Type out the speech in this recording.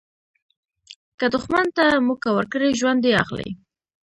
که دوښمن ته موکه ورکړي، ژوند دي اخلي.